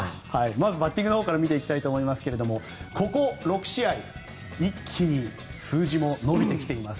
まずバッティングのほうから見ていきたいと思いますがここ６試合一気に数字も伸びてきています。